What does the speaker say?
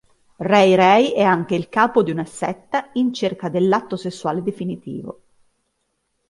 Ray-Ray è anche il capo di una setta in cerca dell'"atto sessuale definitivo".